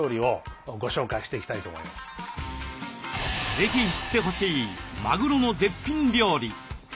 是非知ってほしいマグロの絶品料理。